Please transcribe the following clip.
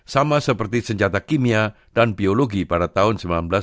sama seperti senjata kimia dan biologi pada tahun seribu sembilan ratus sembilan puluh